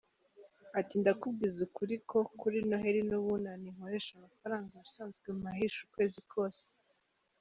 Ati “Ndakubwiza ukuri ko kuri Noheli n’Ubunani nkoresha amafaranga ubusanzwe mpahisha ukwezi kose.